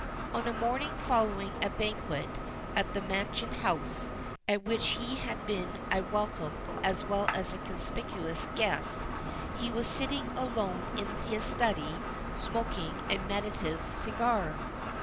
On a morning following a banquet at the Mansion House, at which he had been a welcome, as well as a conspicuous guest, he was sitting alone in his study smoking a meditative cigar.